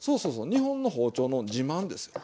日本の包丁の自慢ですよ。